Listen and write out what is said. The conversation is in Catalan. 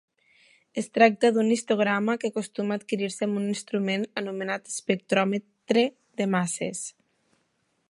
Es tracta d'un histograma que acostuma a adquirir-se amb un instrument anomenat espectròmetre de masses.